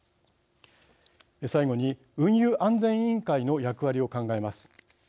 最後に運輸安全委員会の役割を考えます。